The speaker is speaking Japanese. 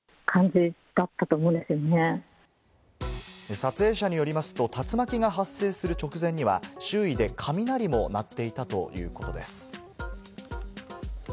撮影者によりますと竜巻が発生する直前には周囲で雷も鳴っていたということです。